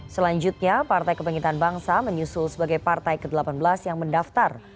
selanjutnya partai kebangkitan bangsa menyusul sebagai partai ke delapan belas yang mendaftar